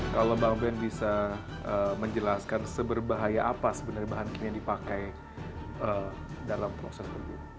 kalau bang ben bisa menjelaskan seberbahaya apa sebenarnya bahan kimi yang dipakai dalam proses ini